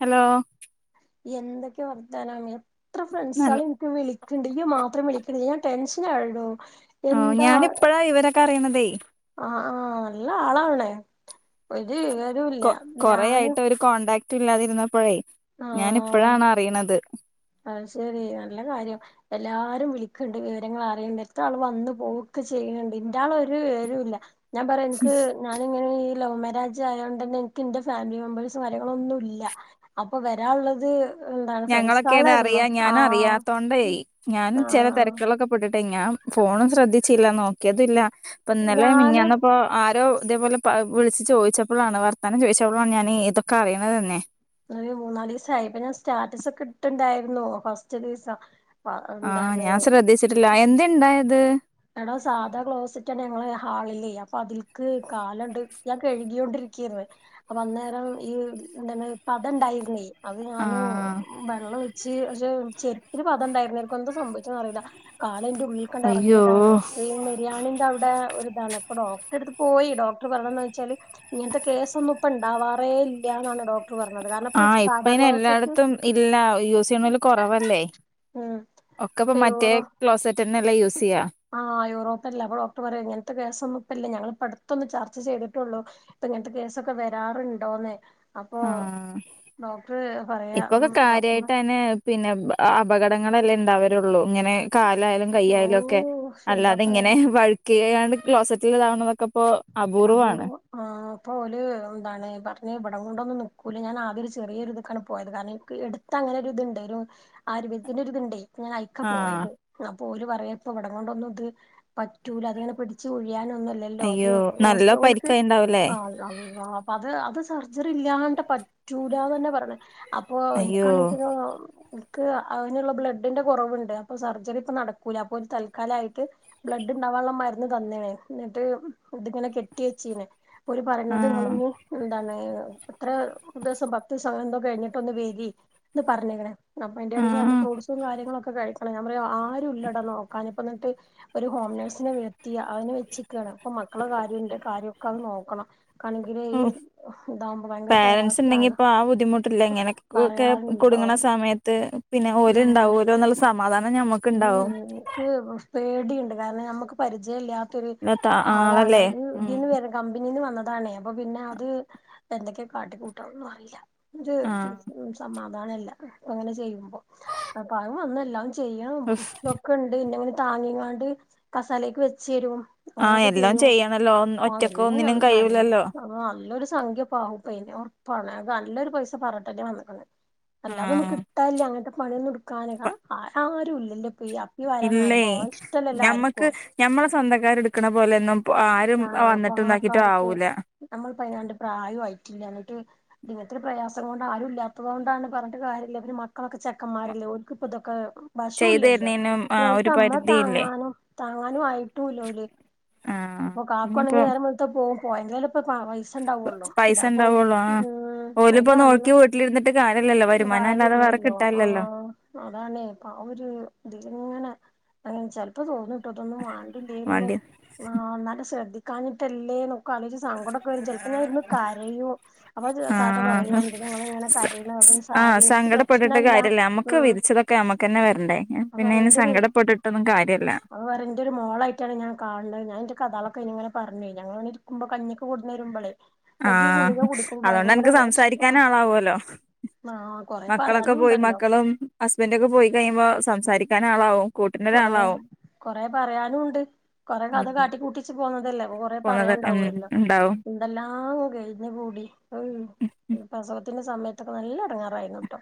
Hello എന്തൊക്കെ വർത്താനം ഇത്ര ഫ്രണ്ട്സ നല്ല ആണ് എനിക്ക് വിളിക്കണ്ട് നീ മാത്രേ വിളിക്കണില്ല ഞാൻ ടെൻ എ ഴോ [unintelligible] ഓ എന്താ ഞാനിപ്പഴാ ഇവരൊക്കെ അറിയണതേ ആ ആ നല്ല ആളണേ ഒരു വിവരോം ഇല്ല ഞാന് മറ്റില്ലാതിരുന്നപ്പോഴേ ആ അ ശരി നല്ല കാര്യം എല്ലാരും വിള ണ്ട് വിവരങ്ങൾ അറിയണ്ട് എത്ര ആൾ വന്നു പോകൊക്കെ ചെയ്യുന്നുണ്ട് ഇന്റൊൾ ഒരു വിവര ഇല്ല ഞാൻ പറയാ എനിക്ക് ഞാനിങ്ങനെ ലോമരാജ് ആയതുകൊണ്ട് തന്നെ എനിക്ക് എന്റെ ഫാമിലി മെമ്പേഴ്സും കാര്യങ്ങളൊ ഒന്നും ഇല്ല അപ്പൊ വരാനുള്ളത് ഞങ്ങളൊക്കെ ഇട അറിയാ ഞാനും അറിയാത്തോണ്ടേയി ഞാനും ചില ആഹ് തിരക്കുകളൊക്കെ പട്ടിട്ട ഞാൻ ഫോണും ശ്രദ്ധിച്ചില്ല നോക്കിയതല്ല ഇപ്പൊ ഇന്നലെ ഞാന് മങ്ങന്നപ്പോ ആരോ അതേപോലെ വിളിച്ചു ചോദിച്ചപ്പോളാണ് വർത്താനം ചോദിച്ചപ്പോളാണ് ഞാൻ ഇതൊക്കെ അറിയണത് തന്നെ അ മൂന്നാല് ദിവസായി ഇപ്പൊ ഞാൻ സ്റ്റാറ്റസ ഒക്കെ ഇട്ടുണ്ടായിരു ന്ന ഫസ്റ്റ് ദിവസം അ ആ എന്താണ് ഞാൻ ശ്രദ്ധിച്ചിട്ടില്ല എന്തിടയെ ണ്ട് എടാ സാധാ ക്ലോസിറ്റണ് ഞങ്ങള് ഹാളിലേ അപ്പൊ അതില്ക്ക് കാലുണ്ട് ഞാൻ കഴുകിൊണ്ടിരിക്കന്ന് അപ്പൊ അന്നേരം ഈ എന്താണ് പത ഇണ്ടായിരുന്നേ അത് ഞാന് ആഹ് വെള്ള വെച്ച ചെരുപ്പരു പദംണ്ടായിുന്നരിക്കും എന്താ സംഭവിച്ച അറിയില്ല അയിന്റെ ഉള്ളിണ്ട് ഇറങ്ങ അയ്യോ അതാണ്ഈ നിരിയാണിന്റെ അവിടെ ഒരു അത ഡോക്ടറെ എടുത്ത് പോയി ഡോക്ടർ പറഞ്ഞന്ന് വെച്ചാല് ഇങ്ങനത്തെ കേസ ഒന്നും ഇ ഉണ്ടാവാറേ ഇല്ലാണ് ഡോക്ട ആഇപ്പ ഇതു എല്ലായിടത്തും ഇല്ല യൂസ് ചെയ്യണല് കുറവല്ലേ ഒക്കെ ഇപ്പ മറ്റേ ക്ലോസറ്റ്ന്നെല്ല യൂസ് ചെയ്യാ ആഹ് യൂറോപ്പല്ല ഡോക്ടർ പറയാ ഇങ്ങനത്തെ കേസൊന്നും ഇപ്പല്ല ഞങ്ങള് പഠി ത്തൊന്ന് ചർച്ച ചെയ്തിട്ടുള്ളൂ ഇപ്പ ഇങ്ങനത്തെ കേസൊക്കെ വരാറുണ്ടോന്നേ ആഹ പറയാ ഉം ഇപ്പൊക്കെ ഡോക്ടർമാർ കാര്യായിട്ടന്നെ പിന്നെ ആ ആ അപകടങ്ങളെല്ലേ ഇണ്ടാവരുള്ളൂ ഇങ്ങനെ കാലായാലും കൈയ്യായാലുമൊക്കെ ഓഹ് അല്ലാതെ എന്താപ്പ ഇങ്ങനെ വഴ്‌ ഏയാണ് ക്ലോസറ്റിൽ ഇതാവണതൊക്കപ്പോ അപൂർവം ആ പ്പോ ഓല് എന്താണ് പറഞ്ഞ് ഇവട കൊണ്ടൊന്നും നിക്കൂല ഞാൻ അദ്യൊരു ചെറിയൊരു ഇതുക്കാണ് പോയത് കാരണം എനിക്ക് എടുത്തങ്ങനൊരു ഇത്ണ്ട് ഒരു ആയുർവേദത്തിന്റൊരു ഇതുണ്ടേ ഇങ്ങനായിക്ക ആഹ് പോയത് ആ ഓല് പറയാ ഇപ്പ ഇവിടം കൊണ്ടൊന്നും ഇത് പറ്റൂല അതിങ്ങനെ പിടിച്ച് പോയി പിരിയാനൊന്നുല്ലല്ലോ അത് അയ്യോ നല്ല ഓസ്‌ല ഓല്ക്ക് പരിക്കായിണ്ടാവൂലേ ആ ആ ആ അപ്പ അത് അത് സർജറി ഇല്ല്യാണ്ട് പറ്റൂലാന്നന്നാ പറഞ്ഞെ അ ഇപ്പൊ അയ്യോ എനക്കാണെങ്കിലോ ക്ക് ആനുള്ള ബ്ലഡിന്റ കൊറവുണ്ട് അപ്പൊ സർജറി ഇപ്പൊ നടക്കൂല അപ്പൊ ഒരു തൽക്കാലായിട്ട് ബ്ലഡ് ഇണ്ടാവാനുള്ള മരുന്ന് തന്നെണേ എന്നിട്ട് ഇത്ങ്ങന കെട്ടി വെച്ചീന് ഓര് പറയുന്നത് ആഹ് നിങ്ങളിനി എന്താണ് എത്ര ദിവസം പത്തിസം അങ്ങന എന്തോ കഴിഞ്ഞിട്ടൊന്ന് വെരി എന്ന് പറഞ്ഞേനെണെ അപ്പ എന്റെ കയ്യീന്ന് നല്ല ആഹ് ഫ്രൂട്ട്സും കാര്യങ്ങളൊക്ക ക കഴിക്കണം ഞാമ്പറയും ആരുല്ലട നോക്കാന് ഇപ്പം എന്നിട്ട് ഒരു ഹോം നേഴ്സിനെ നിർത്തി ആനെ വെച്ചക്കണ് ഇപ്പം മ മക്കള കാര്യോം ന്റ കാര്യോക്ക അത് നോക്കണം ക്കാണെങ്കില് ഓ ഈ ഇതാവുമ്പോ ഭയങ്കര പാരന്റ്‌സ് പ്രയാസാണ് ഇണ്ടെങ്കിപ്പൊ ആ ബുദ്ധിമുട്ടില്ല ഇങ്ങനക്കെ പറയാറുണ്ടോ കുടുങ്ങണ സമയത്ത് പിന്നെ ഓര് ഇണ്ടാവോലോന്നുള്ള സമാധാനം ഞമ്മ [unintelligible] മടിയുണ്ട് കാരണം നമുക്ക് പരിചയല്ല ഇത്തിരി ആളാണ് ആളല്ലേ ഈ ഉം ഇതീന്ന് വരും കമ്പനിന്ന് വന്ന താണെ അപ്പൊ പിന്ന അത് എന്തൊക്കെയ കാട്ടി കൂട്ടാന്ന് അറീല്ല ര് ആഹ് സമ [unintelligible] അതണെല്ല അങ്ങനെ ചെയ്യുമ്പോ അപ്പോ അത് വന്ന് എല്ലാം ചെയ്യ് ഞോ നോക്ക്ണ്ട് ന്നെ താങ്ങിങ്ങാണ്ട് കസാലേക്ക് വെച്ചെരും ആഹ് അങ്ങനെയൊക്കെ എല്ലാം ചെയ്യും ചെയ്യണല്ലോ ഒന്ന്- ഓ ഒറ്റക്ക് വെല്ലൊരു ഒന്നിനും നൽ കഴിയൂലല്ലോ നല്ലൊരു സംഖ്യപ്പാവും കയ്യീന്ന് ഒറപ്പാണ് നല്ലൊരു പൈസ പറട്ടന്നെ വന്നെക്കുന്നെ അല്ലാത ഒന്നും ആഹ് കിട്ടാല്ല അങ്ങനത്ത മഴയുണ്ട് കാക്ക ആ ആരുമില്ലേ ഇല്ലേ ഞമ്മക്ക് ആർക്കും ഞമ്മളെ സ്വന്തക്കർ എടുക്കണ പോലെന്നും ആ, പുറമക്കാർക്ക് നമ്മൾ പതിനാണ്ട് പ്രായമായിട്ടില്ല എന്നിട്ട് ഇങ്ങനത്തെ പ്രയാസം കൊണ്ട് ആരും ഇല്ലാത്തത് കൊണ്ടാണ് പറഞ്ഞിട്ട് കാര്യമില്ല പിന്നെ മക്കളൊക്കെ ചെക്കന്മാരല്ലേ ഓർക്കിപ്പൊ ഇതൊക്കെ ചെയ്തു വശവില്ലല്ലോ, തരുന്നേനും പിന്നെ ആഹ് ഒരു ഓലത്ത് അമ്മ പരിധിയില്ലേ താങ്ങാനും, താങ്ങാനും ആയിട്ടൂല്ലോല് ആഹ് ഇനിയിപ്പോ കാക്കുവാണെവെങ്കി നേരം വെളുത്ത പോ വും പോയെങ്കി ഇപ്പൊ പൈസ ഉണ്ടാവുള്ളോ ഇല്ല പൈസ അപ്പൊ ഉണ്ടാവുള്ളൂ ആഹ് ഉം, ഒര് ഓലിപ്പോ വന്ന നോക്കി വീട്ടിലിരുന്നിട്ട് കാര്യല്ലല്ലോ വരുമാനം അല്ലാതെ വേറെ കാര്യവില്ലല്ലോ, ആ കിട്ടാനില്ലല്ലോ അതണേ ഇപ്പൊ ആ ഒരു ഇതിലിങ്ങനെ ചെലപ്പോ തോന്നും അതൊന്നും വേണ്ടില്ലായിരുന്നു, വേണ്ടി [unintelligible] ശ്രദ്ധിക്കാഞ്ഞിട്ടല്ലേന്നൊ ക്കെ ആലോചിച്ചു സങ്കടൊക്കെ വരും ചെലപ്പോ ഞാൻ ഇരുന്ന് കരയും, അപ്പൊ താത്ത പറയും ആഹ് എന്തിന് നിങ്ങൾ ഇങ്ങനെ സ കരയണ അത് ആഹ് സാരില്ല, സങ്കടപ്പെട്ടിട്ട് പ്രശ്നല്ല കാര്യല്ല നമ്മുക്ക് ഉം വിധിച്ചതൊക്കെ നമ്മുക്കന്നെ വരണ്ടേ അപ്പ പിന്നെ പറയും അയിന് എന്റെ ഒരു സങ്കടപ്പെട്ടിട്ടൊന്നും കാര്യല്ല അപ്പ പറയും ന്റെ ഒരു മോളായിട്ടാണ് ഞാൻ കാണുന്നത്, ഞാൻ ന്റെ കഥാ ഇങ്ങന പറഞ്ഞേ ഞങ്ങളവിടെ ഇരിക്കുമ്പോ കഞ്ഞിക്ക് കൊണ്ടന്നരുമ്പളേ. ആ, അതുകൊണ്ട് അനക്ക് വെഷ്മം സംസാരിക്കൻ ആളാവുമല്ലോ. ആഹ് കൊറെ മക്കളൊക്കെ പറയാനും പോയി ഉണ്ടല്ലോ മക്കളും ഹസ്ബൻഡൊക്കെ പോയി കഴിയുമ്പോ സംസാരിക്ക സംസാരിക്കാൻ ആളാവും കൊറെ കൂട്ടിനൊരാളാവും കൊറെ പറയാനും ഉണ്ട്, കൊറെ ഉം കഥ കാട്ടിക്കൂട്ടിച്ച് പോന്നതല്ലേ അപ്പ കൊറേ പോന്നത് ഉം പറയാനണ്ടാവുമല്ലോ ഉണ്ടാവും എന്തെല്ലാം കഴിഞ്ഞ്കൂടി ഉം, പ്രസവത്തിന്റെ സമയ അത് നല്ല എടങ്ങേറായിരുന്നുട്ടോ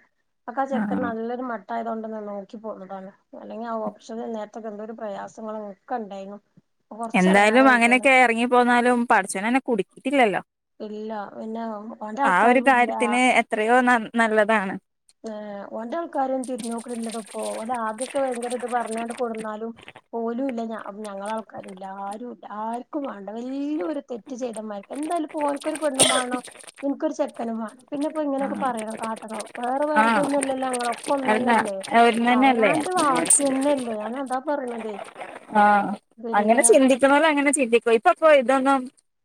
അപ്പ ആ ചെക്കൻ ആഹ് നല്ലരു മട്ട നല്ലതായത് കൊണ്ടൊന്ന് നോക്കി പോകുന്നതാണ് അല്ലെങ്കിൽ ആ പക്ഷെ നേരത്തൊക്കെ എന്തോ ഒരു പ്രയാസങ്ങളക്കെ ഉണ്ടായിരുന്നു. കൊറച്ച് എന്തായാലും എടങ്ങേറായിക്ക്ണ് അങ്ങനെയൊക്കെ ഇറങ്ങിപ്പോന്നാലും പടച്ചോനന്നെ കുടിക്കില്ലല്ലോ, ഇല്ല പിന്നെ ഓന്റെ ആ ഒരു ആൾക്കാരും ഇല്ല കാര്യത്തിന് എത്രയോ ന നല്ലതാണ്. ഏ ഓന്റെ ആൾക്കാര് തിരിഞ്ഞ് നോക്കണില്ലടോ ഇപ്പൊ, ഓൻ ആദ്യൊക്കെ ഭയങ്കര ഇത് പറഞ്ഞണ്ട് കൊണ്ടുന്നാലും ഓലുംല്ല ഞാ അപ്പൊ ഞങ്ങളെ ആൾക്കാരും ഇല്ല ആരുംല്ല ആർക്കും വേണ്ട വലിയ ഒരു തെറ്റ് ചെയ്ത മാതിരി എന്തായാലും പ്പോ ഓൻ ഒരു പെണ്ണും മാണം എനിക്കൊരു ചെക്ക നും വേണം പിന്നിപ്പോ ഇങ്ങനെയൊക്കെ ആഹ് പറയണോ കാട്ടണോ വേറെ ആഹ് വേറതൊന്നും ഇല്ലല്ലേ ഞങ്ങളൊക്കെ ഒന്ന് അല്ല തന്നല്ലേ അവനാന്റെ വാക്കി ഒന്നന്നല്ലേ തന്നെയല്ലേ, ഞാൻ അതാ പറയണതേ ആ പിന്നെ അങ്ങനെ ചിന്തിക്കണോരു അങ്ങനെ ചിൻ- ഇപ്പൊ ഇപ്പിപ്പോ ഇതൊന്നും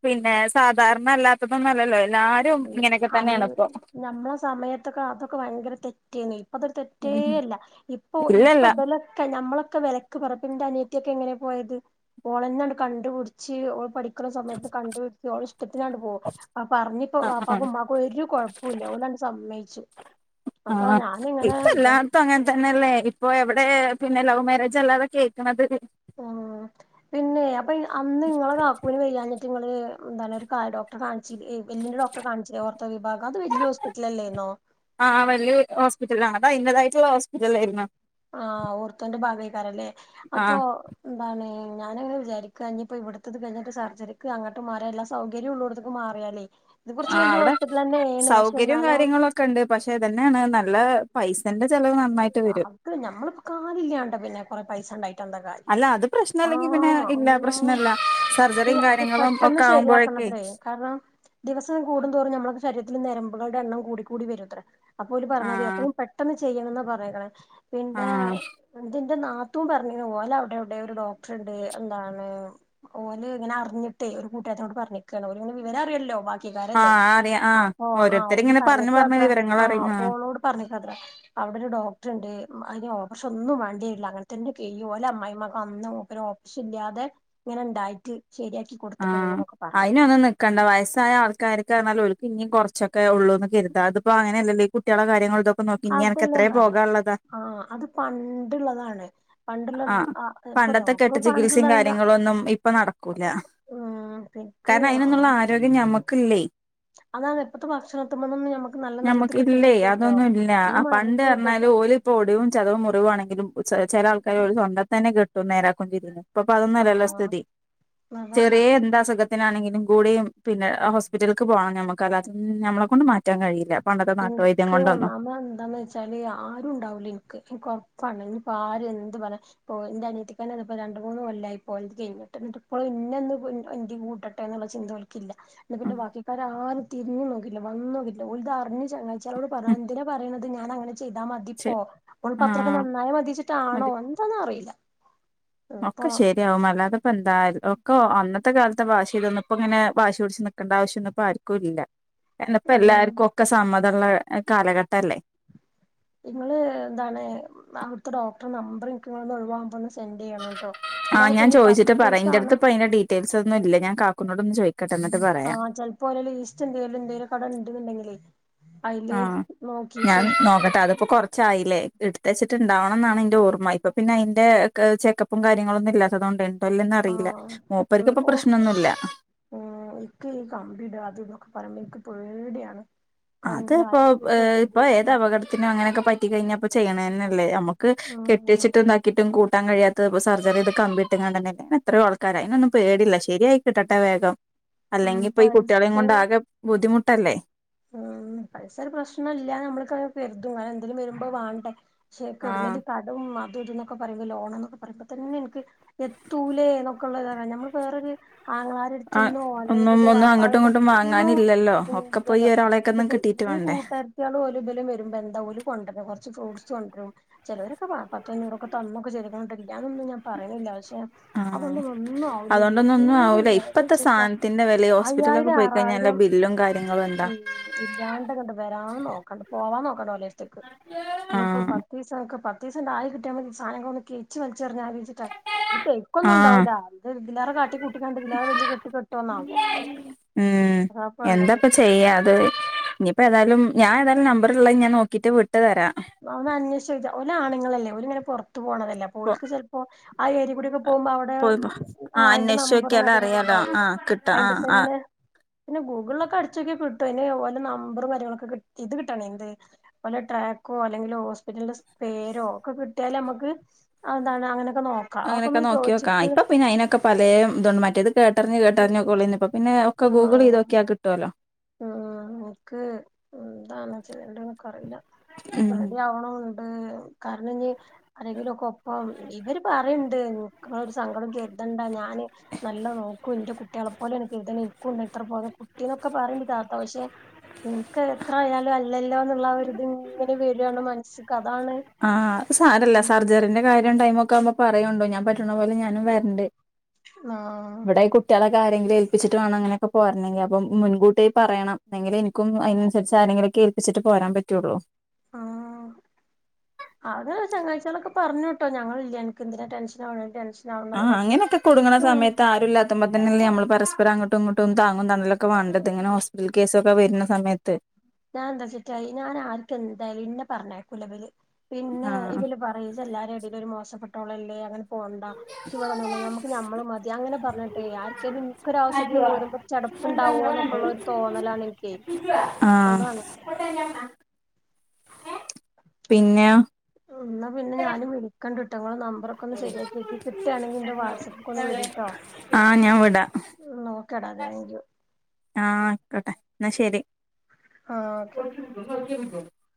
പിന്നെ സാധാരണ അല്ലാത്തതൊന്നും അല്ലല്ലോ എല്ലാരും ഇങ്ങനെയൊക്കെ അന്ന് തന്നെയാണ് ഇപ്പൊ ഞമ്മളെ സമയത്തൊക്കെ അതൊക്കെ ഭയങ്കര തെറ്റ് തന്നെ ഇപ്പം അതൊരു തെറ്റേ അല്ല ഇപ്പൊ ഇപ്പൊ ഇല്ലല്ല ഇതലൊക്കെ ഞമ്മളെ വെലക്കു [unintelligible] ഇപ്പൻ്റെ അനിയത്തിയൊക്കെ എങ്ങനെ പോയത് ഓളന്നാണ് കണ്ടുപിടിച്ച് ഓള് പഠിക്ക ക്കണ സമയത്ത് കണ്ടുപിടിച്ച് ഓള് ഇഷ്ടത്തിനാണ് പോക അപറഞ്ഞി [unintelligible] ഒരു ആഹ് ആഹ് കുഴപ്പവു കുഴപ്പില്ല ഓനാട് സമ്മയിച്ചു ആ അപ്പൊ ഞാനിങ്ങനെ ഇപ്പം വിചാ എല്ലാടത്തും അങ്ങനെ തന്നെല്ലേ ഇപ്പൊ എവിടെ പിന്നെ ലവ് മാരേജ് അല്ലാതെ കേക്കണത് മ് പിന്നെ അപ്പെ അന്ന് നിങ്ങളെ കാക്കൂന് വയ്യാഞ്ഞിട്ട് ങ്ങള് എന്താണ് ഒരു കാല് ഡോക്ടറേ കാണിച്ചു [unintelligible] എല്ലിൻ്റെ ഡോക്ടറേ കാണിച്ചിലേ ഓർത്തോ വിഭാഗം അത് വല്യ ഹോസ്പിറ്റലല്ലായിന്നോ ആഹ് വലിയ ഹോസ്പിറ്റലാണ് [unintelligible] ആ ഓർത്തോന്റെ ഭാഗയിക്കാരല്ലേ അപ്പൊ ആഹ് എന്താണ് ഞാനങ്ങനെ വിചാരിക്കുക്ക ഇഞ്ഞിപ്പോ ഇവിടുത്തത് കഴിഞ്ഞട്ട് സർജറിക്ക് അങ്ങോട്ട് മാറിയ എല്ലാ സൗകര്യം ഉള്ള ഇടത്തേക്ക് മാറിയാലേ ഇത് കുറച്ച് ആ വലിയ അവിടെ ഹോസ്പിറ്റലന്നെയാണ് പക്ഷെ സൗകര്യവും എന്നാലും കാര്യങ്ങളും ഒക്കെ ഉണ്ട് പക്ഷെ ഇതന്നെയാണ് നല്ല പൈസന്റെ ചിലവ് അത് ഞമള്ളിപ്പോ കാലില്ലാണ്ട് പിന്നെ കൊറെ പൈസണ്ടായിട്ട് എന്താ കാര്യം അല്ല അത് ആ പ്രശ്നല്ലെങ്കിൽ പിന്നെ ഇല്ല പ്രശ്നല്ല [unintelligible] സർജറിയും അത് കാര്യങ്ങളും പെട്ടെന്ന് ഒക്കെ ആവുമ്പോഴേക്കെ ശരിയാക്കണത്രേ കാരണം ദിവസം കൂടും തോറും ഞമ്മള ശരീരത്തില് ഞരമ്പുകളുടെ എണ്ണം കൂടിക്കൂടി വരുത്രേ അപ്പോ ഓര് പറഞ്ഞത് ആഹ് എത്രയും പെട്ടെന്ന് ചെ- ചെയ്യണം ന്ന പറഞ്ഞേക്കണേ പിന്നെ ആഹ് എ എന്റെ നാത്തുൻ പറഞ്ഞി ഓല അവിടെ എവിടെയോ ഒരു ഡോക്ടർ ഉണ്ട് എന്താണ് ഓന് ഇങ്ങനെ അറിഞ്ഞിട്ട് ഒരു കൂട്ടുകാരത്തിനോട് പറഞ്ഞേക്കാണ് ഓന് പിന്നെ വിവര അറിയല്ലോ ബാക്കി ക്കാരല്ലേ ആഹ് അറിയാം ആഹ് അപ്പൊ ആഹ് ഓ ഓരോരുത്തരിങ്ങനെ പറഞ്ഞു പറഞ്ഞ് പറഞ്ഞേക്കത്ര ആ വിവരങ്ങളറിയും ആഹ് ഓളോട് പറഞ്ഞേക്കത്ര ഡോക്ടർ ഇണ്ട് അതിന് ഓപ്പറേഷൻ ഒന്നും വേണ്ടി വരില്ല അങ്ങനെത്തെന്റെ കീഴില് ഓല അമ്മായിയമ്മ അന്നും ഓപ്പറേഷൻ ഇല്ലാതെ ഇങ്ങനെ ഇണ്ടായിട്ട് ശരിയാക്കി ആ കൊടുത്ത്ക്ക്ണ് എന്നൊക്കെ പറഞ്ഞത്രേ അയിനൊന്നും നിക്കണ്ട വയസായ ആൾക്കാരൊക്കെ നല്ലപോലെ പിന്നെയും കൊറ ച്ചൊക്കെ ഉള്ളൂന്ന് കരുതാ ഇതിപ്പോ അങ്ങനെ അല്ലല്ലോ ഈ കുട്ടികളെ കാര്യങ്ങൾ ഇതൊ അതെല്ലാം പറഞ്ഞു ആ അത് പണ്ടുള്ളതാണ് പണ്ടുള്ള ആഹ് ആ ഇപ്പൊ പണ്ടത്തെ കെട്ട് ഡോക്ടർ ചികിത്സയും പണ്ടുള്ളതാണെങ്കിൽ കാര്യങ്ങളൊന്നും ഇപ്പൊ നടക്കൂല കാരണം അയിനൊന്നുള്ള ആരോഗ്യം ഞമ്മക്കില്ലേ അതാണ് ഇപ്പത്തെ ഭക്ഷണത്തിമ്മേന്നൊന്നും ഞമ്മക്ക് നല്ല നല്ലത് നമ്മുക്കില്ലേ കിട്ടുന്നില്ലല്ലോ അതൊന്നുംല്ല ഈ ആ പണ്ട് മരുന്നും പറഞ്ഞാല് ഇതൊക്കെ ഓല് ഇപ്പോ ഒടിവും ചതവും മുറിവാണെങ്കിലും ചില ആൾക്കാര് ഒരു സ്വന്തം തന്നെ കിട്ടും നേരാക്കൊണ്ടിരിന്ന് ഇപ്പിപ്പം അതൊന്നും ആ അല്ലല്ലോ സ്ഥിതി അതാണ് ചെറിയ എന്താസുഖ ത്തിനാണെങ്കിലും കൂടിയും പിന്നെ ആ ഹോസ്പിറ്റല്ക്ക് പോണം ഞമ്മക്ക് അല്ലാതെ നമ്മളെ കൊണ്ട് മാറ്റാൻ കഴിയില്ല പണ്ടത്തെ നാട്ടുവൈദ്യം ഇനിക്ക് കൊണ്ടൊന്നും ഒന്നാമത് എന്താന്ന് വച്ചാല് ആരും ഉണ്ടാവൂല ഇനിക്ക് ഇനിക്കൊറപ്പാ പ്പ കണ്ടോ ഇനിപ്പോ ആരും എന്ത് പറയാ ഇന്റെ അനിയത്തിക്കന്നെ പ്പോ രണ്ട മൂന്ന് കൊല്ലായിപ്പോളത് കഴിഞ്ഞിട്ട് ഇന്നിട്ട് ഇപ്പോളും ഇനെന്ന് ന്റെ കൂട്ടെട്ടെന്നുള്ള ചിന്ത ഓല്ക്കില്ല ന്ന ഉം പിന്നെ ബാക്കിക്കാരാരും തിരിഞ്ഞു നോക്കിട്ട്ല്ല വന്നോക്കീട്ട്ല ഓല്തറിഞ്ഞു [inaudible] ച്ചാരോട് പറഞ്ഞ ഉം എന്തിനാ പറയുന്നത് ഞാന അങ്ങനെ ചെയ്താ ശെ മതിപ്പോ ഓള്പ്പത്രൊക്കെ ആഹ് നന്നായി മതിച്ചിട്ടാണോ മതി എന്താന്ന് അറിയില്ല ഒക്കെ ഇപ്പൊ ശരിയാവും അല്ലാതെ ഇപ്പ എന്തായ ഒക്കൊ അന്നത്തെ കാലത്തെ വാശിലൊന്നും ഇപ്പങ്ങനെ വാശി പിടിച്ച് നിക്കണ്ട ആവശ്യം ഒന്നും ഇപ്പ ആർക്കും ഇല്ല എന്നപ്പ ഉം എല്ലാർക്കും ഒക്കെ സമ്മതി ഇപ്പൊള്ള കാലഘട്ട അല്ലേ നിങ്ങള് ന്താണ് അവിടുത്തെ ഡോക്ടറെ നമ്പർ ഇനിക്കിങ്ങനെ ഒഴിവാകുമുന്ന ആ ഞാൻ ചോയിച്ചിട്ട് പറയാം പത്തൂസാണ് ഇന്റടുത്ത്പ്പയിന്റെ ഡീറ്റെയിൽസ് ഒന്നും ഇല്ല ഞാൻ കാക്കുനോടൊന്നു ചോയി ആഹ് ചിലപ്പോലെ ലീസ്റ്റ് എന്തേലും ഇന്റലും ഒക്കെ അവടെ ണ്ട് ണ്ടെങ്കിലെ ആഹ് ഞാൻ നോക്കട്ടെ അതിപ്പോ കൊറച്ചായില്ലേ ഇടുത്ത് വച്ചിട്ട്ണ്ടാവണം ന്നാണ് ന്റെ ഓർമ്മ ഇപ്പ പിന്നെ അയിന്റെ ചെക്കപ്പും കാര്യങ്ങളൊന്നും ഇല്ലാത്തതുകൊണ്ട് ഉണ്ടോല്ലന്ന് അറിയില്ല ആഹ് മ് മൂപ്പർക്ക് ഇപ്പൊ ഓ പ്രശ്നമൊന്നുമില്ല ഇക്ക് ഈ കമ്പിടാ അത് ന്നൊക്ക പറയുമ്പോ പേടിയാണ് അത് ഇക്കാണെങ്കില് പ്പൊ ആരോഗ്യത്തിന് ഒരു ഇപ്പൊ ഏത് ഇതില്ല അപകടത്തിനും അങ്ങനെയൊക്കെ പറ്റി കഴിഞ്ഞപ്പ ചെയ്യണന്നെ ല്ലേ ല്ലെ നമുക്ക് ഉം കെട്ട്യേച്ചിട്ടും ഇതാക്കിട്ടും കൂട്ടാൻ കഴിയാത്ത സർജറിത് കമ്പി ഇട്ടിങ്ങാണ്ടന്നെല്ലേ അങ്ങനെ എത്രയോ ആൾക്കാര് അയിനൊന്നും പേടില്ല ശര്യായി കിട്ടട്ടെ വേഗം ഉം അല്ലെങ്കി ഇപ്പോ ഈ കുട്ടികളെയും കൊണ്ട് പൈസയും ആകെ ബുദ്ധിമുട്ട് ട്ടല്ലേ ഉം പൈസ ഒരു പ്രശ്നം ഇല്ല ഞമ്മൾക്ക് കരുതും കാരണം എന്തേലും വരുമ്പോ വാണ്ടെ ആഹ് ചേക്കവുടെന്നേലും കടോം വാങ്ങു ഇത് ന്നൊക്ക പറയുമ്പോ ലോണ്ന്നൊക്ക പറയുമ്പോ തന്നെ എനിക്ക് എത്തൂലേന്നൊക്കെള്ളതാണ് ഞമ്മള് വേറൊരു ആ ആങ്ങളരെടുത്തുന്നോ ഒന്നും അല്ലെങ്കിൽ ഒന്നും അങ്ങോട്ടും വാപ്പാരെന്നോ ഇങ്ങോട്ടും ഒന്നും വാങ്ങാനില്ലല്ലോ ഒക്കെ പോയി [unintelligible] ഒരാളെയൊക്കെ ഒന്നും അപ്പ കിട്ടിയിട്ട് ഈ വേണ്ടേ കൂട്ടാരത്ത്യാള് ഓല് ബലും വരൂ വരുമ്പോ എന്ത ഓല് കൊണ്ടര്ണ് കൊറച്ച് ഫ്രൂട്ടസ് കൊണ്ടരും ചിലവരൊക്കെ പത്തൊ അഞ്ഞൂറൊക്ക തന്ന് [unintelligible] അതൊന്നും ഞാൻ പറയണില്ല പക്ഷെ ആഹ് അതൊണ്ടൊന്നും ഒന്നും ആവൂലെടി അതുകൊണ്ടൊന്നും ഒന്നും എന്തോരം ആവൂല ഇപ്പത്തെ വിറകെന്നച്ചിട്ടാ സാധനത്തിന്റെ വില ഹോസ്പിറ്റലിലൊക്കെ അയ്യായിരം പോയി കഴിഞ്ഞാൽ ആറായിരം ബില്ലും കാര്യങ്ങളും എന്താ ഇല്ലാണ്ടങ്ങ്ട് വരാ നോക്കണ്ടാ പോവാ നോക്കണ്ട ഓലേര്ത്ത് ന്ന് ത്ത് ഇപ്പൊ ആഹ് പത്തീസാക്ക് പത്ത് [unintelligible] എന്തറിഞ്ഞചിട്ടാ ഇ ഫെയ്‌ ക്കൊന്നുംണ്ടാവൂ ആഹ് അത് ഇതിലാരെ കാട്ടി കൂട്ടി കണ്ട ഇതിലാ വലിയ കെട്ട് കെട്ടോന്നാകോ അതാപ്പള്ളത് അതെ ഇനിയിപ്പോ ഏതാലും ഞാൻ ഏതായും നമ്പറുള്ളത് ഞാൻ നോക്കിട്ട് വിട്ടു തരാം അവന്ന് അന്വേഷിച്ചഓ ആണുങ്ങളല്ലേ ഒരിങ്ങനെറ ഒത്തു പോണതല്ല പോ പോലക്ക് ചിലപ്പോ ആ ഏരിയ കൂടിയൊക്കെ പോകുമ്പോ അവിടെ പോയിപ്പോ ആഹ് അതിന്റെ അന്വേഷിച്ച് നമ്പറും നോക്കിയാല് കാര്യങ്ങളും അറിയാലോ ഉണ്ടാവൂല ആഹ് കിട്ടാ അതിന്റെ ആഹ് ആഹ് തന്നെ പിന്നെ ഗൂഗിളിലക്കെ അടിച്ച് നോക്കി കിട്ടും അയിന് ഓലെ നമ്പറും കാര്യങ്ങളൊക്ക് ഇത് കിട്ടണം എന്ത് ഓലെ ട്രാക്ക് ക്കോ അല്ലെങ്കിൽ ഹോസ്പിറ്റലിൻ്റെ സ് പേരോ ഒക്കെ കിട്ട് ട്ടിയാല് നമ്മക്ക് അത് എന്താണ് അങ്ങനെ അങ്ങനെയൊക്കെ നോക്കിയോക്കാ ആ ഇപ്പ പിന്നെ അയിനൊക്കെ പലേ ഇതണ്ട് മറ്റേത് കേട്ടറിഞ്ഞ് കേട്ടറിഞ്ഞ് [unintelligible] ഇപ്പ പിന്നെ ഒക്കെ ഗൂഗിൾ ചെയ്തോക്കിയാ കിട്ടുവല്ലോ ആ ഇൻക്ക് എന്താണ് വേണ്ടേ ഇൻക്കറിയില്ല ഇൻക്ക് ഉം പേടിയാവണു കാരണം ഇനി ആരെങ്കിലും ഒക്കെ ഒപ്പം ഇവര് പറയണ്ട് [unintelligible] ഒരു സങ്കടം കരുതണ്ട ഞാ ണ് നല്ല നോക്കും ഇന്റെ കുട്ട് കുട്ട്യേളെ പോലെ [unintelligible] ഇൻക്കുണ്ട് ഇത്ര പോന്ന കുട്ടിന്നൊക്കെ പറേണ്ട് [unintelligible] പക്ഷെ ഇൻക്ക് എത്ര ആയാലും അല്ലല്ലോ എന്നുള്ള ആ ഒരു ഇതിങ്ങനെ വെരാണ് മനസ്സ് ആ സാരവില്ല സർജറീന്റെ കാര്യം ഒണ്ടായ ക്കൂന്ന് പറയുന്നുണ്ട് ഞാൻ പറ്റണ പോലെ ഞാനും വരണ്ട് ആ കളുടെ കാര്യങ്ങൾ ഏൽപ്പിച്ചിട്ട് വേണം അങ്ങനൊക്കെ പോരണെങ്കിൽ അപ്പം മുൻകൂട്ടി പറയണം എങ്കിലേ എനിക്കും അതിനനുസരിച്ച് സാധനങ്ങളൊക്കെ ഏൽപ്പിച്ചിട്ട് പോരാൻ പറ്റുള്ളൂ ആ അത് ശനിയാഴ്ചകളൊക്കെ പറഞ്ഞ് കേട്ടോ ഞങ്ങളില്ലേ എനക്ക് എന്തിനാ ടെൻഷൻ ആവണേ ടെൻഷൻ ആ ആവണ്ടന്നൊക്കെ അങ്ങനൊക്കെ കുടുങ്ങണ സമയത്ത് ആരുമില്ലാത്തുമ്പോ പിന്നെ നമ്മള് പരസ്പരം അങ്ങോ ട്ടും ഇങ്ങോട്ടും താങ്ങും തണലുമൊക്കെ വേണ്ട ഇങ്ങനെ ഹോസ്പിറ്റൽ കേസൊക്കെ വരുന്ന സമയത്ത് ഞാൻ എന്താ തെറ്റ് ചെയ്തു ഞാൻ ആർക്ക് എന്തായാലും ഇന്നെ പറഞ്ഞ് അയക്കൂല അവര് പിന്നെ ആ ഇവല് പറയും ഇത് എല്ലാരുടെയും ഇടയിൽ ഒരു മോശപ്പെ ട്ടോളല്ലേ അങ്ങനെ പോകണ്ട ഇവിടെ നിന്ന് ഞമ്മക്ക് ഞമ്മള് മതി അങ്ങനെ പറഞ്ഞിട്ടേ ആർക്കും ഇനിക്കൊരു ആവശ്യത്തിന് പോരുമ്പോ ചെടപ്പുണ്ടാവോന്നൊക്കെയുള്ള ഒരു തോന്നലാണ് എനിക്കേ ആ പിന്നെ ഞങ്ങള് ന മ്പരൊക്കെ ഒന്ന് ശരിയാക്കി കിട്ടുകയാണെങ്കി എന്റെ വാട്സ്ആപ്പ് കോൾ വിളി കേട്ടോ ആ ഞാൻ വിടാം എന്നാ ഓക്കേടാ താങ്ക് യു ആ ആയിക്കോട്ടെ എന്നാ ശരി ആഹ് ഓക്കെ [unintelligible]